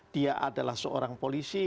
dia adalah seorang polisi